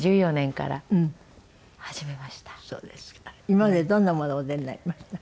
今までどんなものお出になりました？